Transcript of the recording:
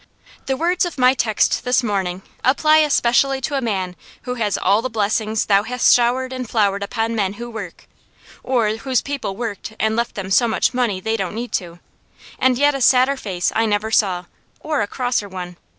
The words of my text this morning apply especially to a man who has all the blessings Thou hast showered and flowered upon men who work, or whose people worked and left them so much money they don't need to, and yet a sadder face I never saw, or a crosser one.